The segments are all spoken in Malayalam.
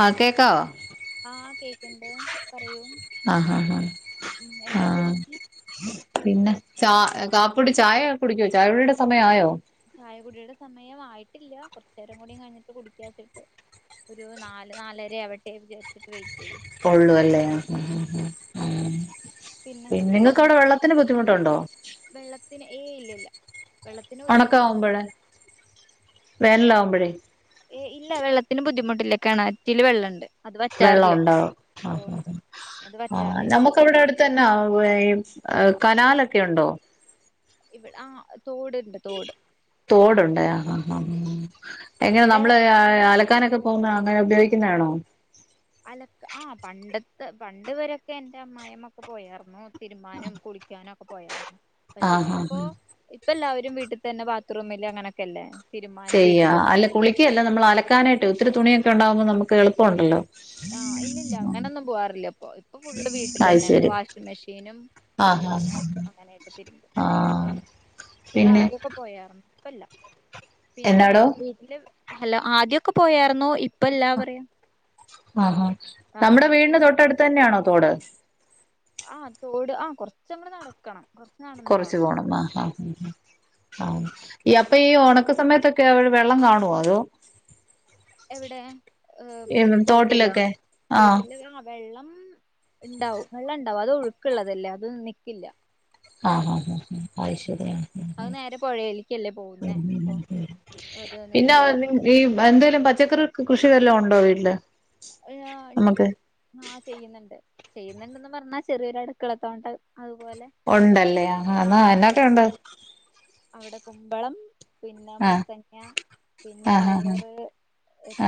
ആഹ് കേക്കാവോ ആഹ് കേക്ക്ണ്ട് പറയൂ ആഹ് ഹാ ഉം ഹാ എന്താ ആഹ് ചെയ്യണ്ടേ പിന്നെ ചാ കാപ്പുടി ചായ കുടിക്കുവോ ചായ കുടിടെ സമയായോ ചായ കുടിയുടെ സമയം ആയിട്ടില്ല കൊറച്ച നേരം കൂടി കഴിഞ്ഞിട്ട് കുടിക്കാ വച്ചിട്ട് ഒരു നാല് നാലരാവട്ടെന്ന് വിചാരിച്ചിട്ട് വെയിറ്റ് ചെയ്യ ഒള്ളു അല്ലേ ഉം ഉം ഉം പിന്നെ ഇങ്ങക്കവിടെ വെള്ളത്തിന് ബുദ്ധിമുട്ടുണ്ടോ വെള്ളത്തിന് ഏഹ് ഇല്ലില്ല വെള്ളത്തിന് ബുദ്ധിമുട്ടൊന്നുല്ല ഒണക്കാവുമ്പഴേ വേനലാവുമ്പഴേ ഏഹ് ഇല്ല വെള്ളത്തിന് ബുദ്ധിമുട്ടില്ല കെണറ്റില് വെള്ളണ്ട് അത് വറ്റാറില്ല വെള്ളൊണ്ടോ ഓ ആഹ് ഉണ്ട് അത് ആഹ് വറ്റാറില്ല നമു ക്ക് ഇവിടെടുത്തന്ന ഏഹ് കനാലൊക്കെ ഒണ്ടോ ഇവിടെ ആഹ് തോട് തോടുണ്ട് ആഹ് ആഹ് എങ്ങനെ ഇവിടെ നമ്മള് ഞങ്ങള് അലക്കാനൊക്കെ പോന്ന അങ്ങനെ ഉപയോഗിക്കുന്നാണോ അലക്ക് ആ പണ്ടത്തെ പണ്ട് ഇവരൊക്കെ എന്റെ അമ്മായിമ്മൊക്കെ പോയാർന്നു തിരുമാനം കുളിക്കാനൊക്കെ പോയാർന്നു പക്ഷെ ആഹ് ആഹ് ഇപ്പോ ആഹ് ഇപ്പെല്ലാവരും വീട്ടി തന്നെ ബാത്റൂമില് അങ്ങനക്കെല്ലേ ചെയ്യാ അല്ല കുളിക്കല്ല നമ്മൾ അലക്കാനായിട്ട് ഒത്തിരി തുണിയൊക്കെണ്ടാമ്പോ നമുക്കെളുപ്പണ്ടല്ലോ ആ ഇല്ലില്ല അങ്ങനൊന്നും പോവാറില്ല ഇപ്പൊ ഇപ്പൊ ഫുള് അത് വീട്ടിലന്നെ ഇപ്പൊ ശരി വാഷിംഗ് മെഷീനും ആഹ് ആഹ് കല്ലുമ്മെ അങ്ങനെക്കെ തിരുമ്പും ആഹ് പിന്നെ പോയറ് ഇപ്പില്ല പിന്നെ എന്നാടോ വീട്ടില് ഹലോ ആദ്യൊക്കെ പോയാർന്നു ഇപ്പൊ ഇല്ലാ പറയാ ഹാഹാ ആ നമ്മടെ വീടിന്റെ പിന്നെ തൊട്ടടുത്ത് തന്നെയാണോ തോട് ആ തോട് ആ കൊറച്ചങ്ങട് നടക്കണം കൊറച്ച് നടന്നു കൊറച്ച് പോണം ആഹ് ആഹ് പോണം ആഹ് ഈ അപ്പയി ഒണക്ക സമയത്തൊക്കെ അവടെ വെള്ളം കാണുവോ അതോ എവിടെ തോട്ടിലാ തോട്ടിലൊക്കെ ആഹ് തോട്ടിൻ്റെ ആ വെള്ളം ഇണ്ടാവും വെള്ള ഇണ്ടാവും അതൊഴുക്കള്ളതല്ലേ അത് നിക്കില്ല ആഹ് ആഹ് ആഹ് അത് ശരിയാ അത് നേരെ പോഴേല്ക്കല്ലേ പോവ്ന്നേ അപ്പൊ അത് പിന്നെ നിക്കാറി ഈ എന്തേലും പച്ചക്കറി കൃഷി വെല്ലോം ഉണ്ടോ വീട്ടില് ആഹ് നമുക്ക് ഇണ്ട്ണ്ട് ആഹ ചെയ്യുന്നുണ്ട് ചെയ്യുന്നുണ്ടന്ന് പറഞ്ഞാ ചെറിയൊരു അടുക്കളത്തോട്ടം അതുപോലെ ഉണ്ടല്ലേ ആഹാ എന്നാക്കെ ഉണ്ട് അവിടെ കുമ്പളം പിന്നെ ആഹ് മത്തങ്ങ പിന്നെ ആഹ് ആഹ് പയറ്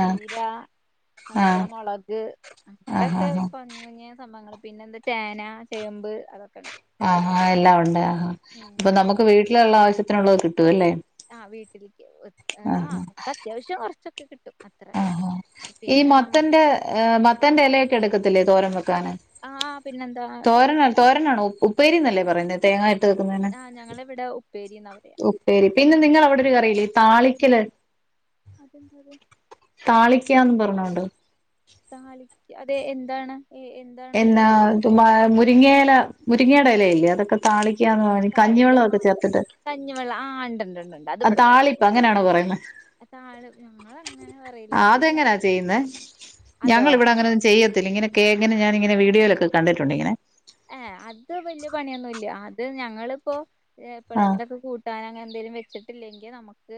ആഹ് അങ്ങനത്തെക്കെ ആഹ് മുളക് ആഹ് ആഹ് അതൊക്കെ കൊ ആഹ് കുമ്പളങ്ങ സംഭവങ്ങൾ പിന്നെ എന്താ ചേന ചേമ്പ് അതൊക്കെണ്ട് ആഹാ എല്ലാം ഉണ്ട് ആഹാ അപ്പൊ അതൊ നമുക്ക് വീട്ടിലുള്ള ആവശ്യത്തിനുള്ളത് കിട്ടുവല്ലേ ആ വീട്ടിലേക്ക് ആഹ് അപ്പൊ അത്യാവശ്യം കുറച്ചൊക്കെ കിട്ടും അത്ര ആഹാ ഈ പിന്നെ നമ്മക്ക് മത്തന്റെ മത്തന്റെ ഇലയൊക്കെ എടുക്കത്തില്ലേ തോരം വെക്കാന് ആഹ് പിന്നെന്താ തോരന എടുക്കും തോരനാണോ ഉപ്പേരീന്നല്ലേ പറയുന്നേ തേങ്ങാ- ആഹ് ഞങ്ങളിവിടെ ഉപ്പേരിന്നാ പറയാ ശരി പിന്നെ നിങ്ങളവിടെ ഒരു കറിയില്ലേ ഈ താളിക്കല് അതെന്ത് താളിക്കാന്ന് പറഞ്ഞോണ്ട് താളിക്ക അതെ എന്താണ് ഏ എന്താ- എന്നാ മുരിങ്ങയില മുരിങ്ങയുടെ എലയില്ലേ അതൊക്കെ താളിക്കാന്ന് പറഞ്ഞ് ഈ താളിക്ക കഞ്ഞിവെള്ള ഒക്കെ ആഹ് ചേർത്തിട്ട് കഞ്ഞിവെള്ളം ആഹ് ഇണ്ട്ണ്ട് അത് ഇബട്ത്തെ താളിപ്പ് അങ്ങനെയാണോ പറയുന്നത് അതാള് ഞങ്ങൾ അങ്ങനെ പറയീല അത് അതെങ്ങനാ ചെയ്യുന്നേ അതോ ഞങ്ങൾ ഇവിടെ അങ്ങനെ ഒന്നും ചെയ്യത്തില്ല ഇങ്ങനെ കേങ്ങിന് ഞാനിങ്ങനെ വീഡിയോയിലൊക്കെ കണ്ടിട്ടുണ്ട് ഇങ്ങനെ ഏഹ് അത് വല്യ പണിയൊന്നുംല്ല അത് ഞങ്ങളിപ്പോ ആഹ് എപ്പളെങ്കിലൊക്കെ കൂട്ട കൂട്ടാൻ അങ്ങനെ എന്തേങ്കിലും വെച്ചിട്ടില്ലെങ്കിൽ നമുക്ക്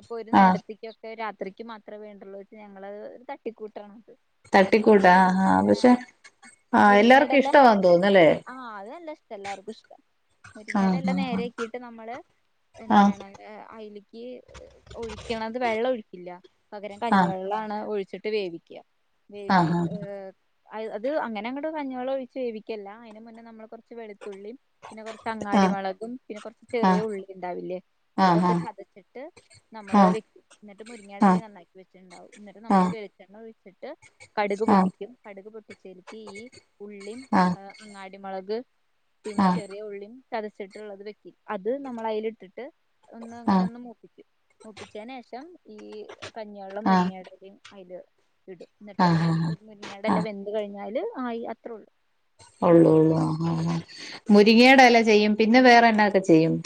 ഇപ്പൊ ഒരു ആഹ് നേരത്തേക്- രാത്രിക്ക് മാത്രമേ വേണ്ടുള്ളൂച്ച് ഞങ്ങളത് ഒരു തട്ടിക്കൂട്ടാണ് അത് തട്ടിക്കൂട്ട നമ്മള് മുരി ആഹാ പക്ഷെ ആഹ് ആ എല്ലാർക്കും മുരിങ്ങേടെല ഇഷ്ടവാ തോന്നുന്നല്ലേ ആഹ് അത് നല്ല ജഷ്ട്ടാ എല്ലാർക്കും ഇഷ്ട്ടാ മുരിങ്ങേടെ എല ആഹ് നേരയാക്കിയിട്ട് നമ്മള് ആഹ് എന്താണ് ഏഹ് അയില്ക്ക് ഒഴിക്കണത് വെള്ളം ഒഴിക്കില്ലാ പകരം കഞ്ഞിവെള്ളാണ് ഒഴിച്ചിട്ട് വേവിക്കാ വേവി ആഹ് ഏഹ് അയി അത് അങ്ങനെ അങ്ങട് കഞ്ഞിവെള്ളം ഒഴിച്ച് വേവിക്കല്ലാ അതിന് മുന്നേ നമ്മള് കൊറച്ച് വെളുത്തുള്ളി പിന്നെ കൊറച്ച് ആഹ് അങ്ങാടിമൊളകും പിന്നെ കൊറച്ച് ചെറിയ ഉള്ളി ഇണ്ടാവില്ലേ ആഹ് അതൊക്കെ ആഹ് ചതച്ചിട്ട് നമ്മള് അത് ആഹ് വെക്കും ഇന്നിട്ട് ആഹ് മുരിങ്ങാടിലയും നന്നാക്കി വെച്ചിട്ട്ണ്ടാവും ഇന്നട്ട് ആഹ് നമ്മള് ആഹ് വേവ് വെളിച്ചെണ്ണ ഒഴിച്ചിട്ട് കടുക് ആഹ് ആഹ് പൊട്ടിക്കും കടുക് പൊട്ടിച്ചിട്ട് ഈ ഉള്ളിം ആഹ് അങ്ങാടിമുളക് ആഹ് ആഹ് പിന്നെ ആഹ് ചെറിയ ഉള്ളിയും ചതച്ചിട്ട്ള്ളത് വെക്കും അത് നമ്മളതിലിട്ടിട്ട് ഒന്ന് അങ്ങനെ ഒന്ന് മൂപ്പിക്കും. മൂപ്പിച്ചേന് ശേഷം ഈ കഞ്ഞിവെള്ളം ആഹ് മുരിങ്ങേടലയും അതിൽ ഇടും ഇന്നിട്ട് ആഹ് ആഹ് മുരിങ്ങേടെല ആഹ് വെന്ത് കഴിഞ്ഞാല് ആയി അത്രേ ഉള്ളൂ അത്ര ഒള്ളൂ പണിയുള്ളൂ ഒള്ളൂ ആഹ് ആഹ് മുരിങ്ങേടെ എല ചെയ്യും പിന്നെ വേറെ എന്നാക്കെ ചെയ്യും?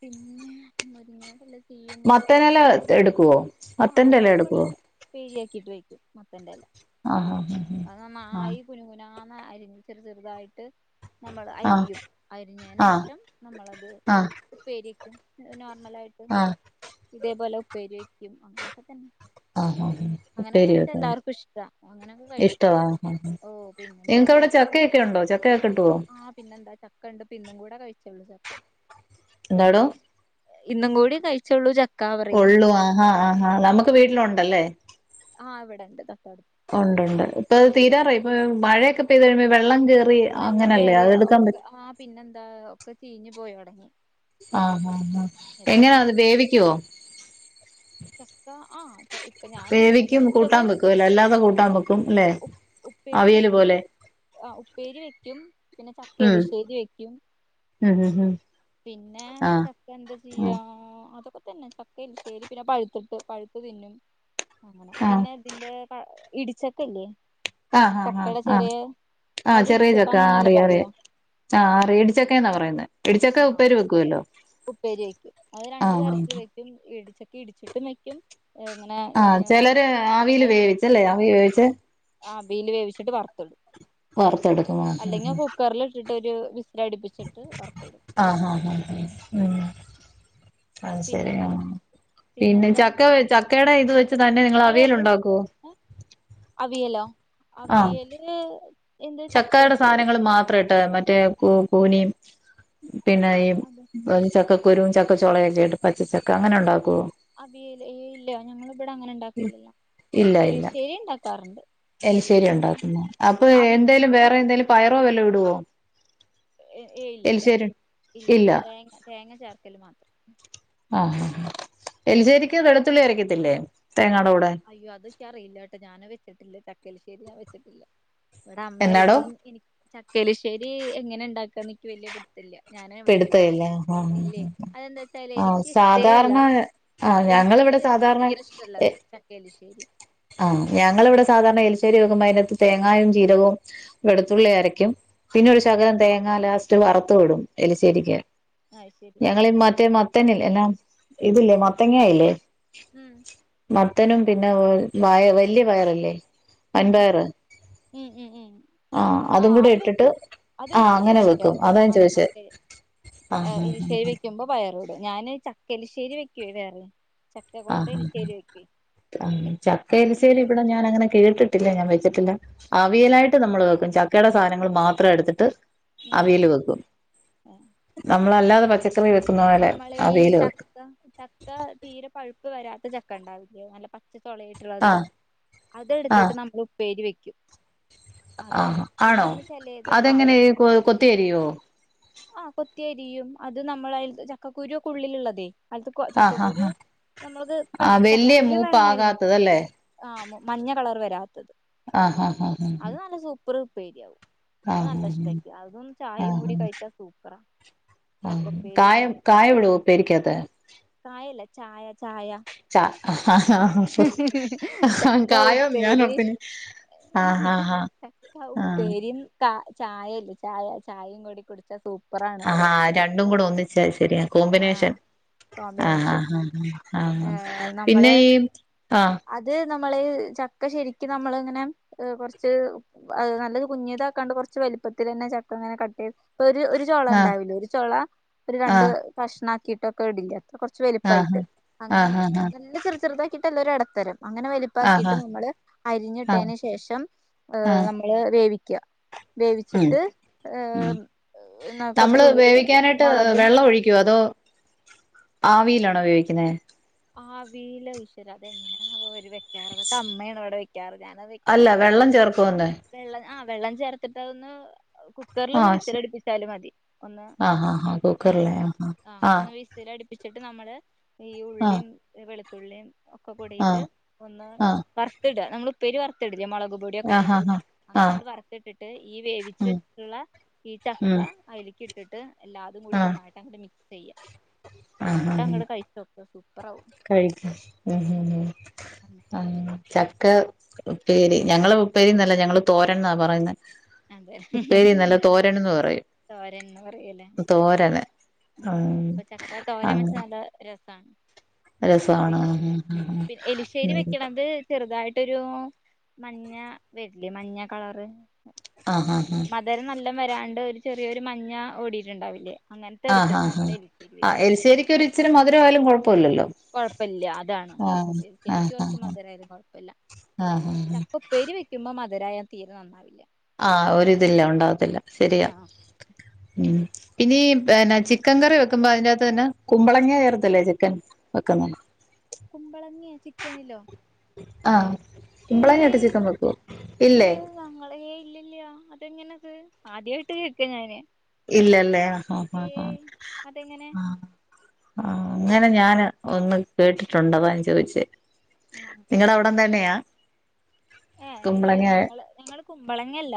പിന്നെ മുരിങ്ങേടെല ചെയ്യും ത്തനെല എടുക്കുവോ? ആഹ് മത്തന്റെ അത് ഇല നമ്മള് എടുക്കുവോ ഉപ്പേരി ആക്കീട്ട് വെക്കും മത്തന്റെല ആഹ് ആഹ് ആഹ് അത് ആഹ് നന്നായി കുനു കുനാന്ന് അരിഞ്ഞ് ചെറ് ചെറുതായിട്ട് നമ്മള് ആഹ് അരിയും അരിഞ്ഞേന് ആഹ് ശേഷം നമ്മളത് ആഹ് ഉപ്പേരി വെക്കും നോർമലായിട്ട് ആഹ് ഇതേപോലെ ഉപ്പേരി വെക്കും അങ്ങനെയൊക്കെ തന്നെ ആഹ് ആഹ് അങ്ങനൊക്കെ ഉപ്പേരി വെച്ചാ എല്ലാർക്കും ഇഷ്ട്ടാ അങ്ങനൊക്കെ കഴി ട്ടവാ ആഹ് ആഹ് നിങ്ങക്കവിടെ ചക്കയൊക്കെ ഇണ്ടോ ചക്കയൊക്കെ കിട്ടുവോ? ആഹ് പിന്നെന്താ ചക്ക ഇണ്ട് ഇപ്പ ഇന്നും കൂടെ കഴിച്ചേ ഉള്ളൂ ചക്ക എന്താടോ? ഇന്നും കൂടി കഴിച്ചോള്ളൂ ചക് ഒള്ളൂ ആഹാ ആഹാ നമ്മക്ക് വീട്ടിലൊണ്ടല്ലേ? ആഹ് ഇവിടെണ്ട് തക്കാട് ഒണ്ട് ഒണ്ട് ഇപ്പ അത് തീരാറായി ഇപ്പ മഴയൊക്കെ പെയ്ത് കഴിയുമ്പോ വെള്ളം കേറി വെള്ളം അങ്ങനല്ലേ അത് കേറിയാ എടുക്കാൻ ഒക്കെ പറ്റ ആഹ് പിന്നെന്താ ഒക്കെ ചീഞ്ഞു പോയൊടങ്ങും ആഹ് ആഹ് ആഹ് എങ്ങനാ എത്രയോ അത് വേവിക്കുവോ [unintelligible] ചക്ക ആഹ് [unintelligible] വേവിക്കും കൂട്ടാൻ വെക്കു അല്ലേ അല്ലാതെ കൂട്ടാൻ വെക്കും അല്ലെ അവിയല് പോലെ ആഹ് ഉപ്പേരി വെക്കും പിന്നെ ചക്ക എലിശ്ശേരി വെക്കും ആഹ് ആഹ് പിന്നെ ചക്ക എന്താ ചെയ്യാ ആഹ് അതൊക്കെ തന്നെ ചക് എലിശേരി പിന്നെ പഴുത്തിട്ട് പഴുത്ത് തിന്നും അങ്ങന ആഹ് പിന്നെ ഇതിന്റെ ക ഇടിച്ചക്കയില്ലേ? ആഹ് ആഹ് ആഹ് ആഹ് അവിടെ ചെറിയ ചക്ക ഇടിച്ചക്കാന്നന്നല്ലേ അറിയാം പറയാ അറിയാം ആഹ് അറിയാ ഇടിച്ചക്ക എന്നാ പറയുന്നെ ഇടിച്ചക്ക ഉപ്പേരി വെക്കുവല്ലോ? ഉപ്പേരി വെക്കും അത് രണ്ട് ആഹ് തരത്തിൽ വെക്കും ഇടിച്ചക്ക ഇടിച്ചിട്ടും വെയ്ക്കും ഏഹ് ഇങ്ങനെ ആഹ് ചെലര് ആവീല് വേവിച്ചല്ലേ ആവി വേവിച്ച് ആവീൽ വേവിച്ചിട്ട് വറ്ത്തിടും വറുത്തെടുക്കും ആഹ് അല്ലെങ്കിൽ കുക്കറിലിട് ഇട്ടിട്ടൊരു വിസ്സില് അടിപ്പിച്ചിട്ട് വറത്തിടും ആഹ് ആഹ് ആഹ് ഉം അത് ശരി പിന്നെ ആഹ് പിന്നെ പിന്നെന്താ ചക്ക വെ ചക്കേടെ ഇത് വെച്ച് തന്നെ നിങ്ങള് അവിയല് ഒണ്ടാക്കുവോ? അവിയലൊ ആഹ് അവിയല് എന്ത് ചക്ക ചക്കയുടെ സാധനങ്ങൾ മാത്ര ഇട്ട് മറ്റേ കൂ കൂനിയും പിന്നെ ഈ അതെ ചക്ക കുരും ചക്ക ചൊളയൊക്കെ ഇട്ട് പച്ചചക്ക അങ്ങനെ ഉണ്ടാക്കുവോ? അവിയല് ഏയ് ഇല്ല ഞങ്ങള് ഇവിടെ അങ്ങനെ ഉണ്ടാക്കിലല്ല ഇല്ല ഇല്ല എലിശേരി അവിടെ ഉണ്ടാക്കുന്ന അപ്പൊ അവിയല് എന്തേലും വേറെ എന്തേലും പയറോ എന്തേലും ഇടുവോ? ഏഹ ഏയ് ഇല്ലല്ല എലിശ്ശേരി ഇല്ല തേങ്ങ തേങ്ങ ചേർക്കല് മാത്രം ആഹ് ആഹ എലിശേരിക്ക് വെളുത്തുള്ളി അരക്കത്തില്ലേ തേങ്ങാടെ കൂടെ അയ്യോ അത് നിക്ക് അറിയില്ലാട്ടോ ഞാനത് വെച്ചിട്ടില്ല ചക്കഎലിശ്ശേരി ഞാൻ വെച്ചിട്ടില്ല ഇവിടെ അമ്മയാ എന്നാടോ വെക്ക് ചക്കഎലിശ്ശേരി എങ്ങനെ ഇണ്ടാക്കാന്ന് എനിക്ക് വല്യ പിടി ത്തില്ല്യാ ഞാന് വെച്ചിട്ട് പിടുത്തമില്ല ഇല്ലേ ആഹ് അതെന്താ വച്ചാലേ ആഹ് എനിക്ക് ഇഷ്ടേ അല്ല സാധാരണ ആഹ് എനിക്ക് ഞങ്ങളിവിടെ സാധാരണ തീരെ എ ഇഷ്ടല്ലാത് ചക്ക എലിശ്ശേരി ആഹ് ഞങ്ങളിവിടെ സാധാരണ എലിശ്ശേരി വെക്കുമ്പോൾ അതിനകത്ത് തേങ്ങയും ജീരകവും വെളുത്തുള്ളി അരക്കും പിന്നെ ഒരു ഉം ശകലം തേങ്ങാ ലാസ്റ്റ് വറുത്തും ഇടും എലിശേരിക്ക് അത് ശരി ഞങ്ങളീ മറ്റേ മത് മത്തനില്ലേ എന്നാ ഇതില്ലേ മത്തങ്ങ ഇല്ലേ ഉം മത്തനും പിന്നെ വ വായ വല്യ പയറില്ലേ ഉം വൻപയറ് ഉം ഉം ഉം അതും ആഹ് കൂടെ അത് ഇട്ടിട്ട് വെക്കും അത് ആഹ് വെക്കും അത് അങ്ങനെ വെക്കും വെക്കാറുണ്ട് അതാ ഞാൻ മ ചോദിച്ചേ ഏഹ ആഹ് എലിശ്ശേരി ആഹ് വെക്കുമ്പോ പയറുമിടും ഞാന് ചക്ക എലിശ്ശേരി വെക്കുവേ വേറെ കൊണ്ട് ആഹ് ആഹ ചക്ക എലിശേരി ഇവിടെ ഞാൻ ഞാനങ്ങനെ കേട്ടിട്ടില്ല ഞാൻ വെച്ചിട്ടില്ല ഇല്ല അവിയലായിട്ട് ന നമ്മളിങ്ങനെ വെക്കും ചക്കയുടെ സാധനങ്ങൾ മാത്രം എടുത്തിട്ട് ഉം അവിയല് വെക്കും ആ നമ്മളല്ലാതെ പച്ചക്കറി വെക്കുന്ന പോലെ നമ്മള് ഈ അവിയല് വെക്കും ചക്ക ചക്ക തീരെ പഴുപ്പ് വരാത്ത ചക്ക അണ്ടാവില്ല നല്ല പച്ച ചുള ആയിട്ട് ട്ടുള്ളത് ആഹ് അതെടുത്തിട്ട് ആഹ് നമ്മള് ഉപ്പേരി വെക്കും അത് ആഹാ പിന്നെ ആണോ ഒന്ന് ചെലേത് അതെങ്ങനെ കൊ കൊത്തിയരിവോ? ആഹ കൊത്തിയരിയും അത് നമ്മള് അതി ചക്കക്കുരുക്ക ഉള്ളിലുള്ളതേ അടുത്ത് ആഹ് ആഹ് ചക്കക്കുരു ആഹ് നമ്മളക്ക്‌ കഷ ആഹ് വലിയ ചക്കക്കുരു വേണം അരിഞ്ഞി മൂപ്പാകാത്തതല്ലേ ആഹ മഞ്ഞ കളറ് വരാത്തത് ആഹ് ആഹ് ആഹ് ആഹ് അത് നല്ല സൂപ്പർ ഉപ്പേരിയ അത് ആഹ് നല്ല ഇഷ്ടക്ക അതും ചായയും കൂടി കഴിച്ചാ സൂപ്പറാ ആഹ ചക്കുപ്പേരിയും കായം ചായയും കായ ഇടുവോ ഉപ്പേരിക്കാത്ത് കായല്ല ചായ ചായ ചക്ക കായോന്ന് ഉപ്പേരി ഞാനോർത്തിനി ആഹ് ആഹ് ചക്ക ആഹ് ആഹ് ഉപ്പേരിയും ക ചായല്ലേ ചായ ചായയും കൂടി കുടിച്ച സൂപ്പ് ആഹാ രണ്ടും കൂടെ ഒന്നിച്ചാ ശരിയാ കോമ്പിനേഷൻ ആഹ് ആഹ കോമ്പിനേഷൻ ആഹാ ആഹ ഏഹ് പിന്നെ നമ്മള് ഈ ആഹ അത് നമ്മള് ചക്ക ശരിക്ക് നമ്മളിങ്ങനെ കുറച്ച് ഏഹ നല്ലത് കുഞ്ഞതാക്കാണ്ട് കുറച്ച് വലുപ്പത്തിൽന്നെ ചക്ക അങ്ങനെ കട്ട് ചെയ്ത് ഒരു ഒരു ചൊള ആഹ് ഉണ്ടാവില്ല ഒരു ചോള ഒരു രണ്ട് ആഹ് കഷണം ആക്കിയിട്ടൊക്കെ ഇടില്ലെ കുറച്ച് വലിപ്പായിട്ട് ആഹ് അങ്ങനെ ആഹ് ആഹ് നല്ല ചെറു ചെറുതാക്കിയിട്ടല്ല ഇടത്തരം അങ്ങനെ വലി ഉപ്പാക്കിയിട്ട് ആഹ് നമ്മള് ആഹ് അരിഞ്ഞിട്ടന് ശേഷം ഏഹ ആഹ് നമ്മള് വേവിക്കുക ഉം വേവിച്ചിട്ട് ഏഹ ഉം പിന്ന കൊറച്ച് നമ്മള് ഉള്ളും വേവിക്കാനായിട്ട് മുളകും വെള്ളം ഒഴിക്കുവോ അതോ ആവിയിലാണോ വേവിക്കുന്നെ ആ ആവിയില് ശ്വര അതങ്ങനെയാണ് അവര് വെക്കാറ് അതൊക്കെ അമ്മയാണ് അവിടെ വെക്കാറ് ഞാനത് അല്ല വെക്കാറില്ല വെള്ളം ചേർക്കുന്ന്ണ്ടെ വെള്ളം ആഹ് വെള്ളം ചേർത്തിട്ട് അതൊന്ന് കുക്കറിലൊന്ന് ആഹ് ശ വിസിലടിപ്പിച്ചാലും മതി ഒന്ന് ആഹ് ആഹ് ആഹ് ഏഹ് കുക്കറിലെ ആ ആഹ് ഒന്ന് വിസിലടി ഒയിച്ചിട്ട് നമ്മള് ഈ ആഹ് ഉള്ളിയും, വെളുത്തുള്ളിയും, ഒക്കെ കൂടിയിട്ട് ആഹ് ഒന്ന് ആഹ് വർത്തിട നമ്മള് ഉപ്പേരി വറുത്തിടില്ലേ മൊളക് പൊടിയൊക്കെ ആഹ് ഇട്ടിട്ട് ആഹ് ആഹ് ആഹ് അങ്ങനാണ്ട് വർത്തിട്ടിട്ട് ഈ വേവിച്ച് ഉം വെച്ചിട്ടുള്ള ഈ ചക്ക ഉം അയിലേക്ക് ഇ ഇട്ടിട്ട് എല്ലാതും കൂടി ആഹ് നന്നായിട്ട് അങ്ങട്ട് മിക്സെയ്യാ എന്നട്ട് അങ്ങട് കഴിച്ചോക്ക് സൂപ്പറാവും കഴിക്ക ഉം ഉം ആഹ് ചക്ക ഉപ്പേരി ഞങ്ങള് ഉപ്പേരി എന്നല്ല ഞങ്ങള് തോരൻന്നാ പറയുന്നെ അതെ ഉപ്പേരിന്നല്ല തോരനെന്ന് പറയും തോരൻന്ന് പറയലേ തോരന് ആഹ് ഇന്ന തോരൻ വെച്ച നല്ല രസാണ് രസാണ് പിന്നെ ആഹ് ഉം പിന്നെ ആഹ് എരിശ്ശേരി ഉം വെക്ക്ണത് ചെറുതായിട്ടൊരു മഞ്ഞ വര്ല്ലേ മഞ്ഞ കളറ്? ആഹ് ആഹ് ആഹ് അതേരം നല്ലം വരാണ്ട് ഒരു ചെറിയൊരു മഞ്ഞ ഓടിയിട്ടുണ്ടാവില്ലേ? അങ്ങനത്തെ ആഹ് എടുത്തിട്ട് ആഹ് നമ്മൾ ആഹ് എലിശ്ശേരി ആ വെക്കും എരിശ്ശേരിക്കൊരു ഇച്ചിരി മധുരം ആയാലും കൊഴപ്പല്ലല്ലോ കൊഴപ്പല്ല്യ അതാണ് ആഹ് എരിശ്ശേരിക്ക് ആഹ് കൊറച്ച് ആഹ് മധുരായാലും കൊഴപ്പല്ല ആഹ് വെക്കുമ്പോ മധുരയാ തീരെ നന്നാവില്ല ആഹ് ഒരുതില്ല ഉണ്ടാകത്തില്ല ശരിയാ ആഹ് ഉം പിന്നെ ഈ എന്നാ ചിക്കൻ കറി വെക്കുമ്പോ അതിനകത്ത് തന്നെ കുമ്പളങ്ങ ചേർത്തല്ലേ ചിക്കൻ? വെക്ക്ന്നെ കുമ്പളങ്ങയോ ചിക്കനിലോ? ആഹ് കുമ്പളങ്ങയിട്ട് ചിക്കൻ വെക്കോ? ഇല്ലേ? ഞങ്ങളെ ഏയ് ഇല്ല്യല്ല്യ അതെങ്ങനെ അത് ആദ്യായിട്ട് കേക്ക ഞാന് ഇല്ലല്ലേ? ആഹ് ആഹ് ഏയ് ആഹ് അതെങ്ങനെ ആഹ് അങ്ങനെ ഞാന് ഒന്ന് കേട്ടിട്ടുണ്ട് അതാ ഞാൻ ചോദിച്ചേ? ആഹ് ആഹ് നിങ്ങടെ അവിടം തന്നെയാ? ഏഹ് ഇല്ല്യ കുമ്പളങ്ങ ഞങ്ങള് ഞങ്ങള് കുമ്പളങ്ങയല്ല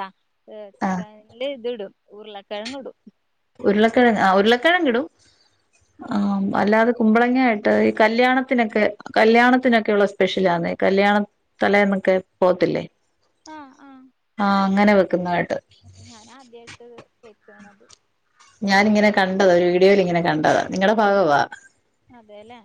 എഹ് ആഹ് ചിക്കൻ ല് ഇത് ഇടും ഉരുളക്കെഴങ്ടും ഉരുളക്കെഴങ് ആഹ് ഉരുളക്കെഴങ്ങ്ടും ആഹ് അല്ലാതെ കുമ്പളങ്ങായിട്ട് ഈ കല്യാണത്തിനൊക്കെ കല്യാണത്തിനൊക്കെയുള്ള സ്പെഷ്യലാന്നെ കല്യാണ തലേന്നൊക്കെ പോവത്തില്ലേ? ആഹ് ആഹ് ആഹ് അങ്ങനെ വെക്കുന്നതായിട്ട് ഞാന് ആദ്യായിട്ട് കേക്കാണത് ഞാനിങ്ങനെ കണ്ടതാ ഒരു വീഡിയോലിങ്ങനെ കണ്ടതാ നിങ്ങടെ ഭഗവാ അതേല്ലേ?